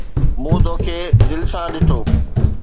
مون توکي دل سان ڏٺو